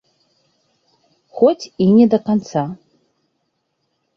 Хоць і не да канца.